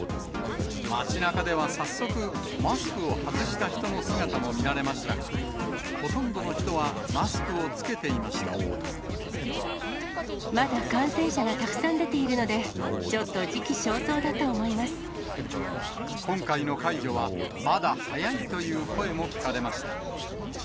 街なかでは早速、マスクを外した人の姿も見られましたが、ほとんどの人は、まだ感染者がたくさん出ているので、今回の解除は、まだ早いという声も聞かれました。